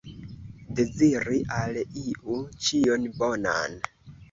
Deziri al iu ĉion bonan.